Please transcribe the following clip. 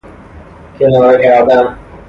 کناره کردن